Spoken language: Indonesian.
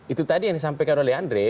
itu tadi yang disampaikan oleh andre